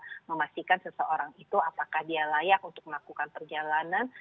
untuk memastikan seseorang itu apakah dia layak untuk melakukan perjalanan